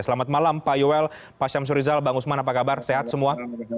selamat malam pak yoel pak syamsur rizal bang usman apa kabar sehat semua